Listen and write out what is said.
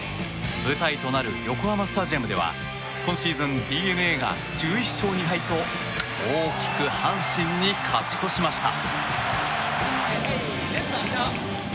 舞台となる横浜スタジアムでは今シーズンＤｅＮＡが１１勝２敗と大きく阪神に勝ち越しました。